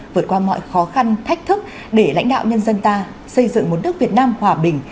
vượt qua mọi khó khăn thách thức để lãnh đạo nhân dân ta xây dựng một nước việt nam hòa bình